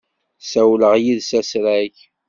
Ssawleɣ yid-s asrag.